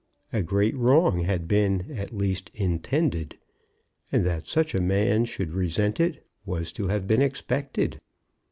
A great wrong had been, at least, intended; and that such a man should resent it was to have been expected.